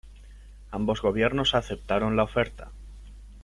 Ambos gobiernos aceptaron la oferta.